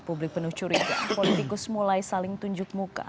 publik penuh curiga politikus mulai saling tunjuk muka